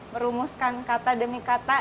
merumuskan kata demi kata